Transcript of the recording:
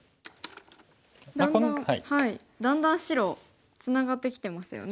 だんだん白ツナがってきてますよね。